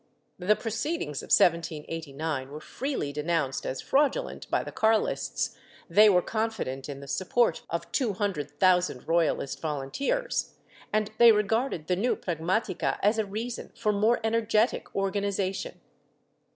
The proceedings of 1789 were freely denounced as fraudulent by the Carlists, they were confident in the support of two hundred thousand Royalist Volunteers, and they regarded the new pragmatica as a reason for more energetic organization.